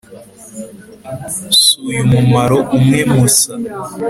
si uyu mumaro umwe musa